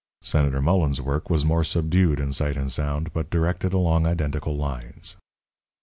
Senator Mullens's work was more subdued in sight and sound, but directed along identical lines.